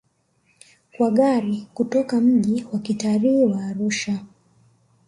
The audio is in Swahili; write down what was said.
Kwa gari kutoka mji wa kitalii wa Arusha